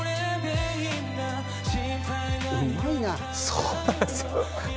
そうなんですよ。